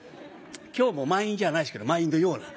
今日も満員じゃないですけど満員のような。